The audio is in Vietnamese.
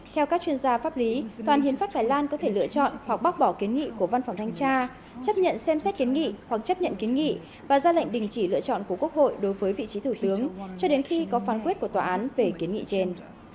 theo các chuyên gia pháp lý toàn hiến pháp thái lan có thể lựa chọn hoặc bác bỏ kiến nghị của văn phòng thanh tra chấp nhận xem xét kiến nghị hoặc chấp nhận kiến nghị và ra lệnh đình chỉ lựa chọn của quốc hội đối với vị trí thủ tướng cho đến khi có phán quyết của tòa án về kiến nghị trên